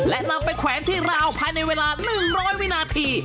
และนำไปแขวนที่ราวภายในเวลา๑๐๐วินาที